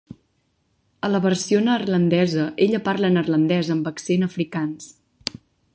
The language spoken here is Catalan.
A la versió neerlandesa, ella parla neerlandès amb accent afrikaans.